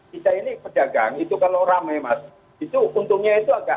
kita ini pedagang itu kalau ramai mas itu untungnya itu agak